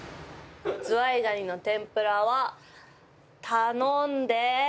ズワイ蟹の天ぷらは頼んで。